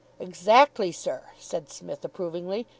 "Exactly, sir," said Psmith, approvingly.